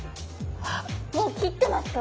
もう切ってますか？